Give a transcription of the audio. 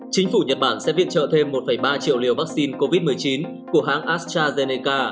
chính phủ nhật bản sẽ viện trợ thêm một ba triệu liều vaccine covid một mươi chín của hãng astrazeneca